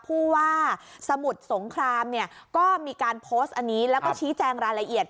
ผู้ว่าสมุทรสงครามเนี่ยก็มีการโพสต์อันนี้แล้วก็ชี้แจงรายละเอียด